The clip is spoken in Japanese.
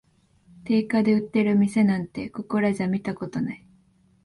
定価で売ってる店なんて、ここらじゃ見たことない